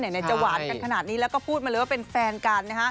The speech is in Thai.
ไหนจะหวานกันขนาดนี้แล้วก็พูดมาเลยว่าเป็นแฟนกัน